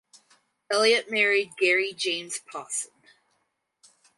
Elliott married Gary James Pawson.